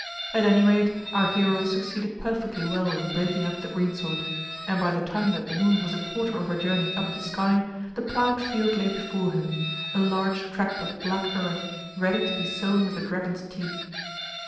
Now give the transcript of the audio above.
At any rate, our hero succeeded perfectly well in breaking up the greensward; and by the time that the moon was a quarter of her journey up the sky the plowed field lay before him, a large tract of black earth, ready to be sown with the dragon's teeth.